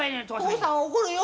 父さん怒るよ。